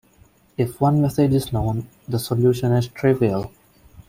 If one message is known, the solution is trivial.